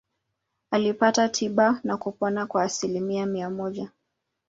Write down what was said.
Alipata tiba na kupona kwa asilimia mia moja.